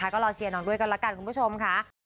ก็รอเชียร์น้องด้วยกันละกันคุณผู้ชมค่ะ